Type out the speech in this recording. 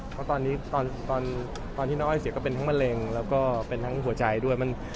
เพราะตอนนี้ตอนที่น้องอ้อยเสียก็เป็นทั้งมะเร็งแล้วก็เป็นทั้งหัวใจด้วย